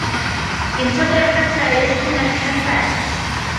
انتظر حتى يسخن الحساء.